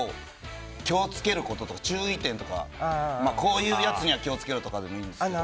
気を付けることとか注意点とかこういうやつには気をつけろとかでもいいんですけど。